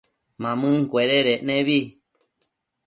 Mamëncuededec nebi